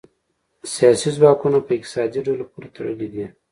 سیاسي ځواکونه په اقتصادي ډلو پورې تړلي دي